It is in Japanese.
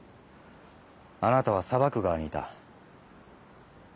あなたは裁く側にいた。